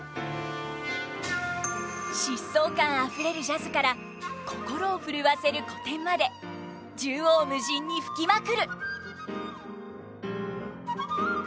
疾走感あふれるジャズから心をふるわせる古典まで縦横無尽に吹きまくる！